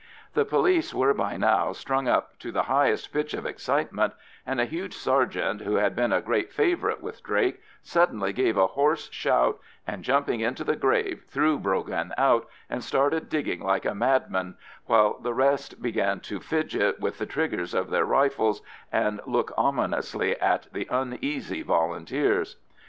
The police were by now strung up to the highest pitch of excitement, and a huge sergeant, who had been a great favourite with Drake, suddenly gave a hoarse shout, and, jumping into the grave threw Brogan out, and started digging like a madman, while the rest began to fidget with the triggers of their rifles and look ominously at the uneasy Volunteers.